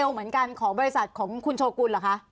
เหมือนกันของบริษัทของคุณโชกุลเหรอคะ